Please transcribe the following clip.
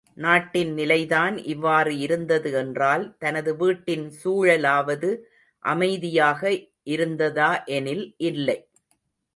நாட்டின் நிலைதான் இவ்வாறு இருந்தது என்றால், தனது வீட்டின் சூழலாவது அமைதியாக இருந்ததா எனில் இல்லை.